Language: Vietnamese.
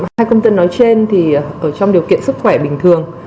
hai công dân nói trên thì ở trong điều kiện sức khỏe bình thường